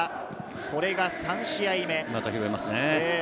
これが３試合目。